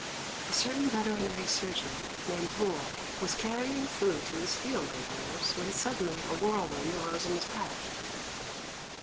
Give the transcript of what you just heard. A certain veterinary surgeon, named Hou, was carrying food to his field labourers, when suddenly a whirlwind arose in his path.